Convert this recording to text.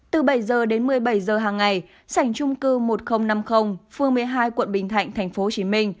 từ bảy h đến một mươi bảy h hàng ngày sảnh trung cư một nghìn năm mươi phương một mươi hai quận bình thạnh tp hcm